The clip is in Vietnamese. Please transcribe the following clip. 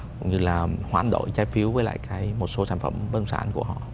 cũng như là hoãn đổi trái phiếu với lại một số sản phẩm bất động sản của họ